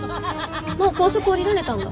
もう高速降りられたんだ。